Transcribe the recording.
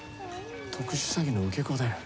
特殊詐欺の受け子だよ。